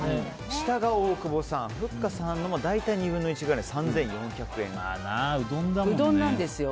下が大久保さんでふっかさんの大体２分の１ぐらいうどんなんですよ。